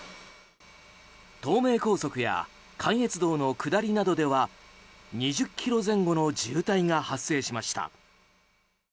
東名高速や関越道の下りなどでは２０ｋｍ前後の渋滞が発生しました。